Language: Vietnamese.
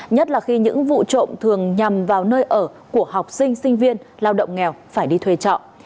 nhất là khi những vụ trộm thường nhằm vào nơi ở của học sinh sinh viên lao động nghèo phải đi thuê trọ